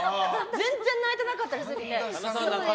全然泣いてなかったりして。